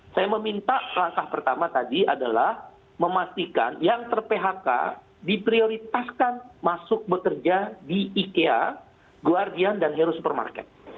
saya meminta langkah pertama tadi adalah memastikan yang ter phk diprioritaskan masuk bekerja di ikea guardian dan hero supermarket